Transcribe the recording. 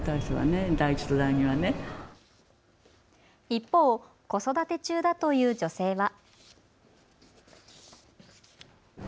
一方、子育て中だという女性は。